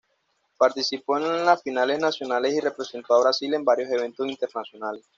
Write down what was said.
Participó en las finales nacionales y representó a Brasil en varios eventos internacionales.